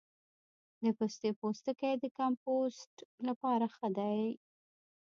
د پستې پوستکی د کمپوسټ لپاره ښه دی؟